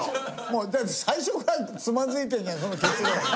だって最初からつまずいてるじゃんその結論。